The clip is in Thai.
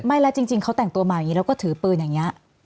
ไม่แล้วจริงเขาแต่งตัวมาอย่างนี้แล้วก็ถือปืนอย่างนี้